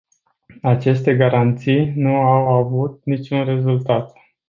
Aceste garanții nu au avut niciun rezultat.